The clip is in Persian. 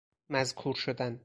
مذکور شدن